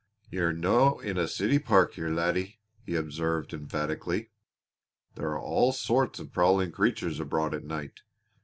"You're no in a city park here, laddie," he observed emphatically. "There are all sorts of prowling creatures abroad at night.